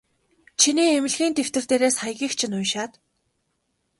Чиний эмнэлгийн дэвтэр дээрээс хаягийг чинь уншаад.